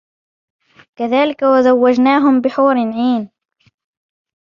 كذلك وزوجناهم بحور عين